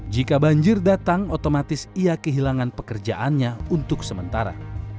jika banjir datang otomatis ia kehilangan pekerjaannya untuk sementara